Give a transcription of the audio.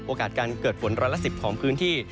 การเกิดฝนร้อยละ๑๐ของพื้นที่